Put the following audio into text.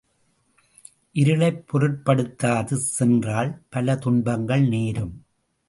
இருளைப் பொருட்படுத்தாது சென்றால் பல துன்பங்கள் நேரும்.